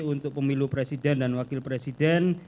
untuk pemilu presiden dan wakil presiden